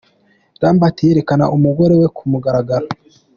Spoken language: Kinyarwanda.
Lambert yerekana umugore we ku mugaragaro.